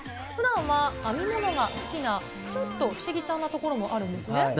ふだんは編み物が好きな、ちょっと不思議ちゃんなところもあるんですね。